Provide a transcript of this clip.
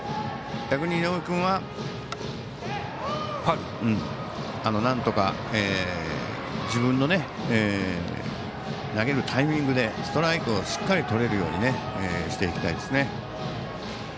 逆に井上君は、なんとか自分の投げるタイミングでストライクをしっかりとれるようにしていきたいですね。